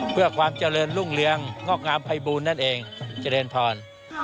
เพื่อความเจริญรุ่งเรืองงอกงามภัยบูลนั่นเองเจริญพร